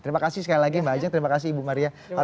terima kasih sekali lagi mbak ajeng terima kasih ibu maria